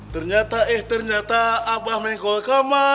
ternyata eh ternyata abah menggol kemana